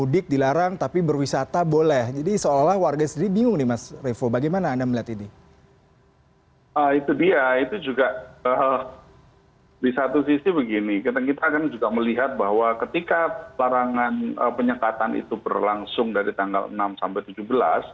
di satu sisi begini kita kan juga melihat bahwa ketika larangan penyekatan itu berlangsung dari tanggal enam sampai tujuh belas